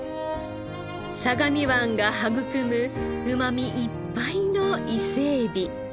相模湾が育むうまみいっぱいの伊勢エビ。